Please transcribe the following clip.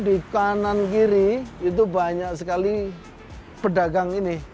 di kanan kiri itu banyak sekali pedagang ini